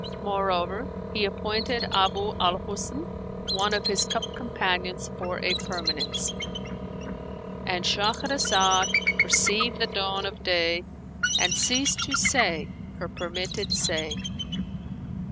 Moreover, he appointed Abu al Husn one of his cup companions for a permanence,—And Shahrazad perceived the dawn of day and ceased to say her permitted say.